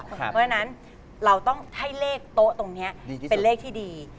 เพราะฉะนั้นเราต้องให้เลขโต๊ะตรงนี้เป็นเลขที่ดี